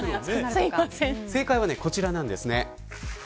正解はこちらです。